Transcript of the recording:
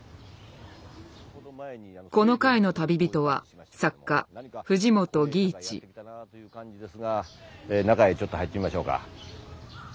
この回の旅人は中へちょっと入ってみましょうか。